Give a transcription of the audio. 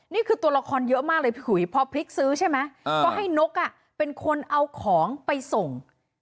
นี่คือตัวละครเยอะมากเลยพี่อุ๋ยพอพริกซื้อใช่ไหมก็ให้นกเป็นคนเอาของไปส่ง